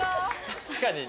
確かにね。